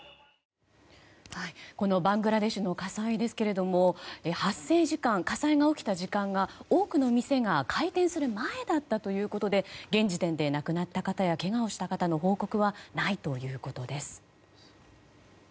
このバングラデシュの火災ですけども火災が起きた時間が多くの店が開店する前だったということで現時点で亡くなった方やけがをした方の報告はないということです。